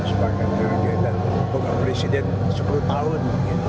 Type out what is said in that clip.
sebagai jokowi dan bokapresiden sepuluh tahun